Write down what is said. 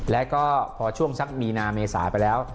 แล้วก็พอช่วงสักมีนาเมษาไปแล้ว